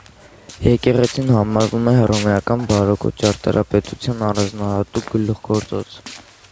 Եկեղեցին համարվում է հռոմեական բարոկկո ճարտարապետության առանձնահատուկ գլուխգործոց։